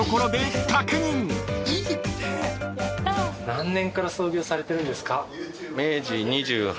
何年から創業されてるんですか？